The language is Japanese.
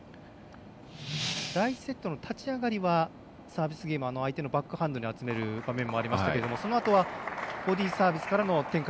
第１セットの立ち上がりは相手のバックハンドに集める場面ありましたがそのあとはボディーに集める展開